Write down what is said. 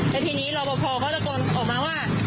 แต่ทีนี้รอบพอพอเขาก็ออกมาว่า